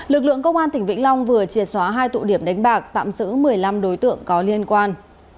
lực lượng công an tp hcm vừa triệt xóa hai tụ điểm đánh bạc tạm giữ một mươi năm đối tượng có liên quan